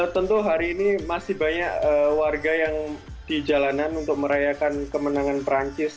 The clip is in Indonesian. tentu hari ini masih banyak warga yang di jalanan untuk merayakan kemenangan perancis